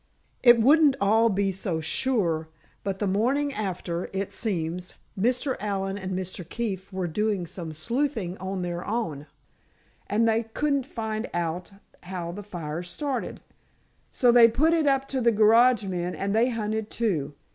It wouldn't all be so sure, but the morning after, it seems, Mr. Allen and Mr. Keefe were doin' some sleuthin' on their own, and they couldn't find out how the fire started. So, they put it up to the garage men, and they hunted, too.